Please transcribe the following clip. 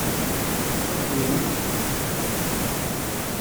Tuɣ twennaε.